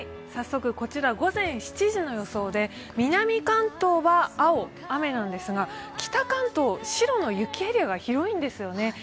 早速、こちら午前７時の予想で南関東は青、雨なんですが北関東白の雪エリアが広いんですよね。